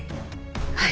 はい。